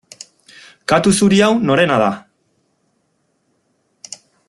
Katu zuri hau norena da?